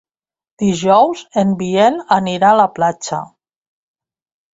Dijous en Biel anirà a la platja.